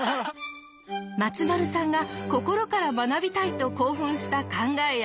松丸さんが心から学びたいと興奮した考えや体験とは？